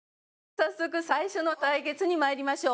早速最初の対決にまいりましょう。